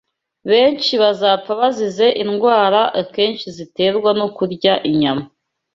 Benshi bapfa bazize indwara akenshi ziterwa no kurya inyama